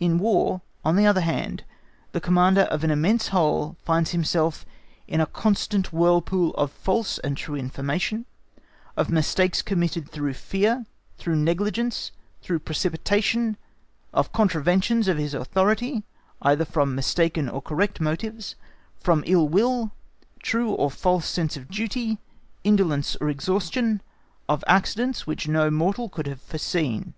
In War, on the other hand, the Commander of an immense whole finds himself in a constant whirlpool of false and true information, of mistakes committed through fear, through negligence, through precipitation, of contraventions of his authority, either from mistaken or correct motives, from ill will, true or false sense of duty, indolence or exhaustion, of accidents which no mortal could have foreseen.